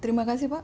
terima kasih pak